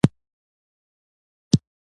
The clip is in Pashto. مړ په همدې سو چې نفس يې و خوت.